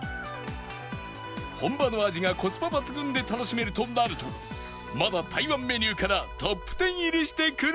本場の味がコスパ抜群で楽しめるとなるとまだ台湾メニューからトップ１０入りしてくるのか？